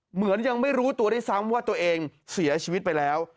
เหมือนยังไม่รู้ตัวได้ซ้ำว่าตัวเองเสียชีวิตไปแล้ว